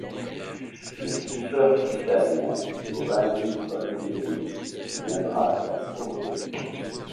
Le skipper italien Giovanni Soldini viendra la sauver.